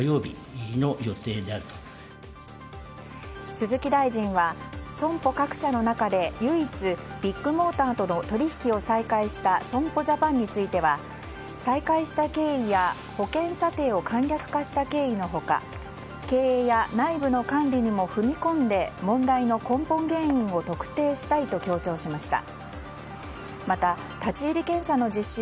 鈴木大臣は、損保各社の中で唯一、ビッグモーターとの取引を再開した損保ジャパンについては再開した経緯や保険査定を簡略化した経緯の他経営や内部の管理にも踏み込んで問題の根本原因を特定したいと強調しました。